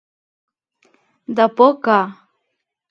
De por que.